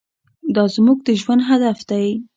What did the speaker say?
دا زموږ د ژوند هدف دی.